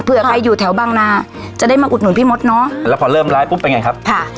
ใครอยู่แถวบางนาจะได้มาอุดหนุนพี่มดเนอะแล้วพอเริ่มไลฟ์ปุ๊บเป็นไงครับค่ะ